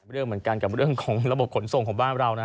เรื่องเหมือนกันกับเรื่องของระบบขนส่งของบ้านเรานะ